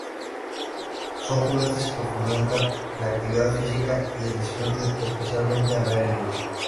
Son juguetes que fomentan la actividad física y el disfrute, especialmente al aire libre.